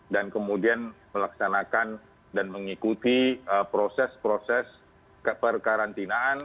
dan kemudian melaksanakan dan mengikuti proses proses perkarantinaan